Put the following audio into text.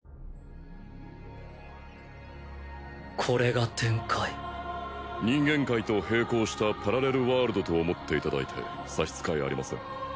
これが天界人間界と並行したパラレルワールドと思っていただいて差し支えありません